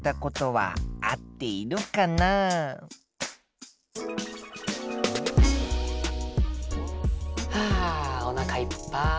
はあおなかいっぱい。